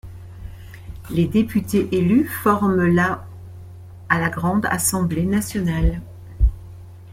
Les députés élus forment la à la Grande Assemblée nationale.